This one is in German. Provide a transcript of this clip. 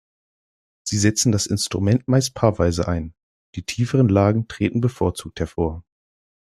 Sie setzen das Instrument meist paarweise ein, die tieferen Lagen treten bevorzugt hervor.